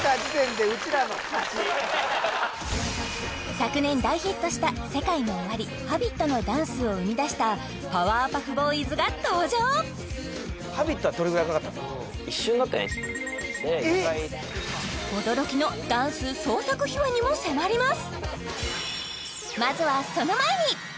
昨年大ヒットしたＳＥＫＡＩＮＯＯＷＡＲＩ「Ｈａｂｉｔ」のダンスを生み出したパワーパフボーイズが登場驚きのダンス創作秘話にも迫ります